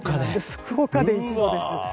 福岡で１度です。